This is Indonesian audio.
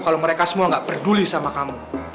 kalau mereka semua nggak peduli sama kamu